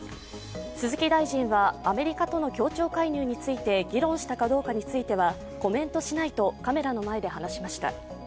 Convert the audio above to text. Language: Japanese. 鈴木大臣はアメリカとの協調介入について議論したかどうかについてはコメントしないとカメラの前で話しました。